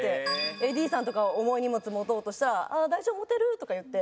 ＡＤさんとかが重い荷物持とうとしたら「大丈夫？持てる？」とか言って。